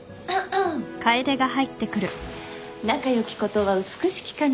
・仲良きことは美しきかな。